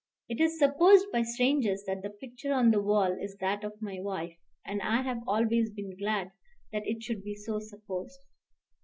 It is supposed by strangers that the picture on the wall is that of my wife; and I have always been glad that it should be so supposed.